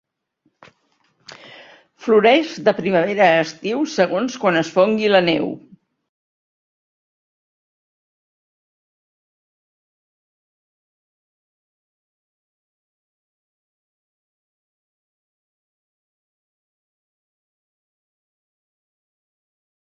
Floreix de primavera a estiu segons quan es fongui la neu.